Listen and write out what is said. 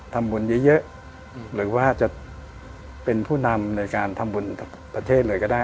ทำบุญเยอะหรือว่าจะเป็นผู้นำในการทำบุญประเทศเลยก็ได้